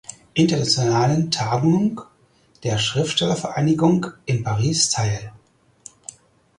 Internationalen Tagung der Schriftstellervereinigung in Paris teil.